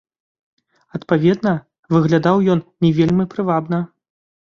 Адпаведна, выглядаў ён не вельмі прывабна.